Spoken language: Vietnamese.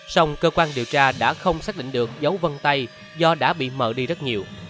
song cơ quan điều tra đã không xác định được dấu vân tay do đã bị mờ đi rất nhiều